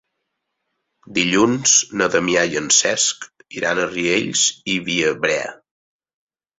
Dilluns na Damià i en Cesc iran a Riells i Viabrea.